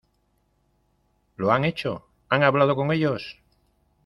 ¿ lo han hecho? ¿ han hablado con ellos ?